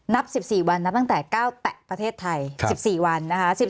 นับ๑๔วันนับตั้งแต่๙แตะประเทศไทย๑๔วันนะคะ